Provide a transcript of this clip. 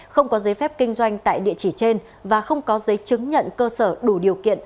không có giấy phép kinh doanh tại địa chỉ trên và không có giấy chứng nhận cơ sở đủ điều kiện